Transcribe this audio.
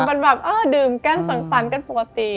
มันแบบเออดื่มกันสังสรรค์กันปกติ